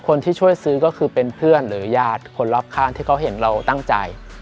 คนที่ช่วยซื้อก็คือเป็นเพื่อนหรือญาติคนรอบข้างที่เขาเห็นเราตั้งใจ